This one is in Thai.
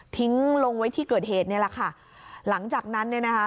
ทิ้งลงไว้ที่เกิดเหตุนี่แหละค่ะหลังจากนั้นเนี่ยนะคะ